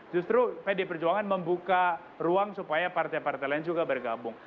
justru pd perjuangan membuka ruang supaya partai partai lain juga bergabung